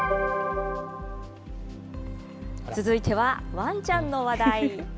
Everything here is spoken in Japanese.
続いてはわんちゃんの話題。